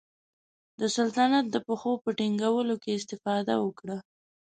د سلطنت د پښو په ټینګولو کې استفاده وکړه.